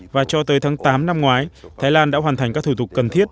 và cho tới tháng tám năm ngoái thái lan đã hoàn thành các thủ tục cần thiết